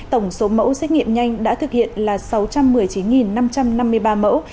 tổng số mẫu xét nghiệm nhanh đã thực hiện là sáu trăm một mươi chín năm trăm năm mươi ba mẫu